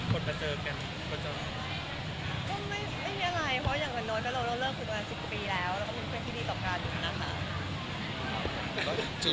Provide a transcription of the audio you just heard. ก็ไม่มีอะไรเพราะว่าอย่างเหมือนโน้นเราก็เริ่มฝึกมา๑๐ปีแล้วแล้วก็เป็นคนที่ดีต่อการอยู่นั่งมา